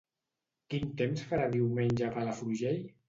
Quin temps farà diumenge a Palafrugell?